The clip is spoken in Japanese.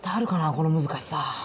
この難しさ。